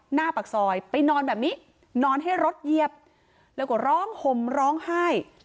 หน้าปากซอยไปนอนแบบนี้นอนให้รถเหยียบแล้วก็ร้องห่มร้องไห้